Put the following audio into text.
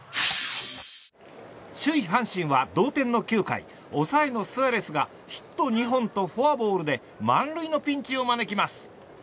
首位、阪神は同点の９回抑えのスアレスがヒット２本とフォアボールで満塁のピンチを招きます。